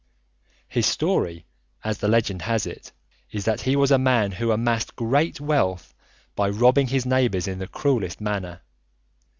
His story, as the legend has it, is that he was a man who amassed great wealth by robbing his neighbours in the cruellest manner.